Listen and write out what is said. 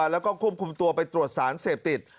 แล้วก็ควบคุมตัวไปตรวจสารเสพติด